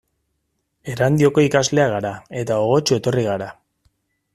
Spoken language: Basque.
Erandioko ikasleak gara eta gogotsu etorri gara.